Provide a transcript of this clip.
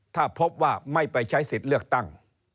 ถ้าพบว่าไม่ไปใช้สิทธิ์เลือกตั้ง